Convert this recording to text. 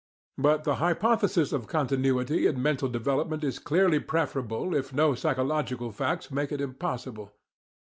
But the hypothesis of continuity in mental development is clearly preferable if no psychological facts make it impossible.